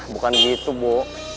bukan gitu bo